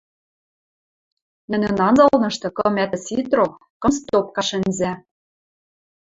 Нӹнӹн анзылнышты кым ӓтӹ ситро, кым стопка шӹнзӓ.